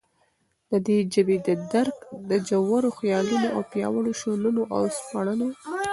ددي ژبي ددرک دژورو خیالاتو او پیاوړو شننو او سپړنو